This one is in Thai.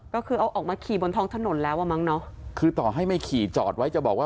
ก็คือเอาออกมาขี่บนท้องถนนแล้วอ่ะมั้งเนอะคือต่อให้ไม่ขี่จอดไว้จะบอกว่า